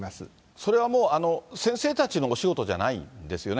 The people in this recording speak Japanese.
それはもう、先生たちのお仕事じゃないですよね。